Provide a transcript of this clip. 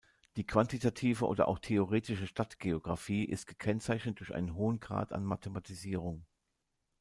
Die quantitative oder auch theoretische Stadtgeographie ist gekennzeichnet durch einen hohen Grad an Mathematisierung.